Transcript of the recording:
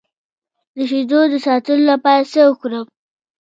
د شیدو د ساتلو لپاره څه وکړم؟